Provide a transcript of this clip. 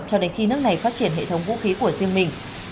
cho đến khi nước này phát triển hệ thống vũ khí của riêng mình